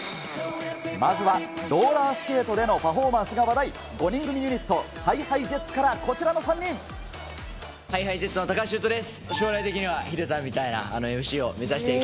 まずはローラースケートでのパフォーマンスが話題、５人組ユニット、ＨｉＨｉＪｅｔｓから、こちらの３人。ＨｉＨｉＪｅｔｓの高橋優斗です